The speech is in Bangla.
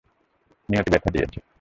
নিয়তি ব্যথা দিয়েছে।